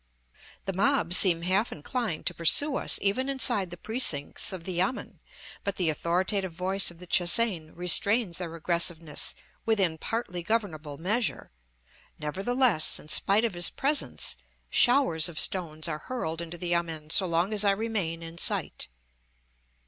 The mob seem half inclined to pursue us even inside the precincts of the yamen, but the authoritative voice of the Che hsein restrains their aggressiveness within partly governable measure; nevertheless, in spite of his presence, showers of stones are hurled into the yamen so long as I remain in sight.